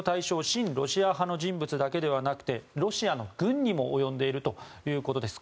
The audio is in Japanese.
親ロシア派の人物だけじゃなくてロシアの軍にも及んでいるということです。